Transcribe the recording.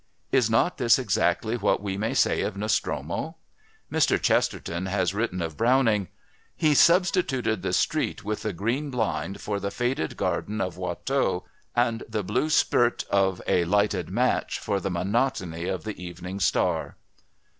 Is not this exactly what we may say of Nostromo? Mr Chesterton has written of Browning: "He substituted the street with the green blind for the faded garden of Watteau, and the 'blue spirt of a lighted match' for the monotony of the evening star."